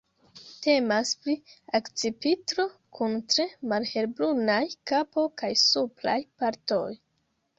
Temas pri akcipitro kun tre malhelbrunaj kapo kaj supraj partoj.